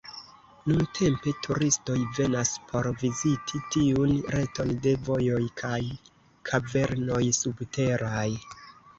Nuntempe turistoj venas por viziti tiun reton de vojoj kaj kavernoj subteraj.